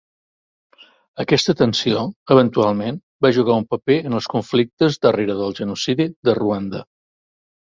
Aquesta tensió eventualment va jugar un paper en els conflictes darrere del genocidi de Ruanda.